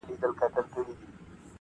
یا وینه ژاړي یا مینه -